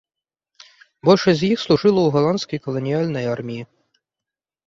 Большасць з іх служыла ў галандскай каланіяльнай арміі.